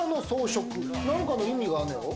何かの意味があんのやろ？